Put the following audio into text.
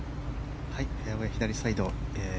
フェアウェー左サイド。